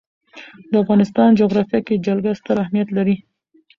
د افغانستان جغرافیه کې جلګه ستر اهمیت لري.